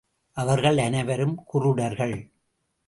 அவர்கள் அனைவரும் குருடர்கள்